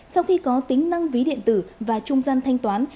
sau khi có tính năng ví điện tử và trung gian thanh toán